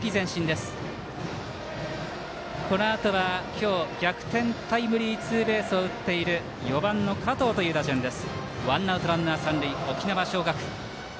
このあとは今日逆転タイムリーツーベースを打っている４番の加藤とおう打順です。